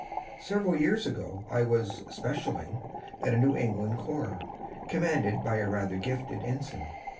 Several years ago I was " specialling " at a New England Corps, commanded by a rather gifted Ensign.